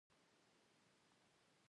غږونه تل زموږ چاپېریال رنګینوي.